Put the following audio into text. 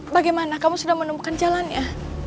bagaimana kamu sudah menemukan jalannya